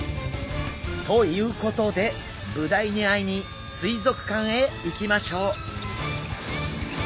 ということでブダイに会いに水族館へ行きましょう。